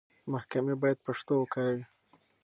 محکمې بايد پښتو وکاروي.